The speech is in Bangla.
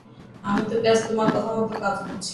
আমি তো ব্যাস তোমার কথামত কাজ করছিলাম।